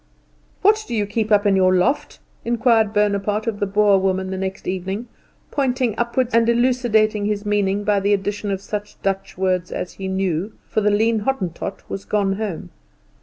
"What do you keep up in your loft?" inquired Bonaparte of the Boer woman the next evening, pointing upwards and elucidating his meaning by the addition of such Dutch words as he knew, for the lean Hottentot was gone home.